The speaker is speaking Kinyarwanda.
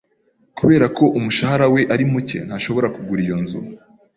Kubera ko umushahara we ari muke, ntashobora kugura iyo nzu.